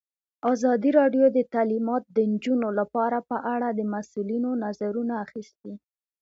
ازادي راډیو د تعلیمات د نجونو لپاره په اړه د مسؤلینو نظرونه اخیستي.